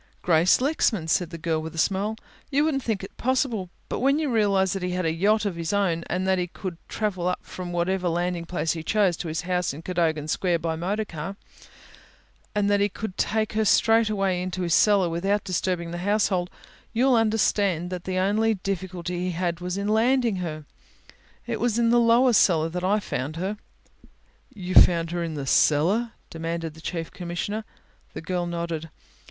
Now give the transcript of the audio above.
"Grace Lexman," said the girl, with a smile. "You wouldn't think it possible, but when you realize that he had a yacht of his own and that he could travel up from whatever landing place he chose to his house in Cadogan Square by motorcar and that he could take her straight away into his cellar without disturbing his household, you'll understand that the only difficulty he had was in landing her. It was in the lower cellar that I found her." "You found her in the cellar?" demanded the Chief Commissioner. The girl nodded.